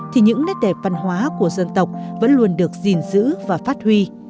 thì những nét đẹp văn hóa của dân tộc vẫn luôn được gìn giữ và phát huy